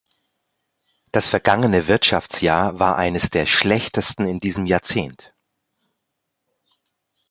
Das vergangene Wirtschaftsjahr war eines der schlechtesten in diesem Jahrzehnt.